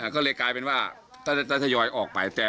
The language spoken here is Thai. ก็เลยกลายเป็นว่าได้ทยอยออกไป